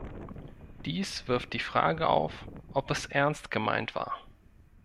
Dies wirft die Frage auf, ob es ernst gemeint war.